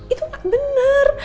itu gak benar